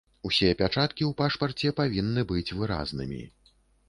Усе пячаткі ў пашпарце павінны быць выразнымі.